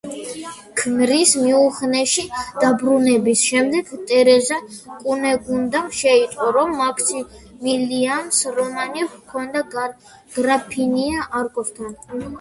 ქმრის მიუნხენში დაბრუნების შემდეგ, ტერეზა კუნეგუნდამ შეიტყო, რომ მაქსიმილიანს რომანი ჰქონდა გრაფინია არკოსთან.